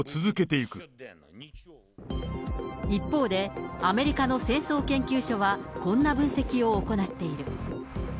一方で、アメリカの戦争研究所は、こんな分析を行っている。